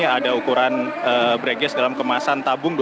ada ukuran breaknya dalam kemasan tabung dua belas kilo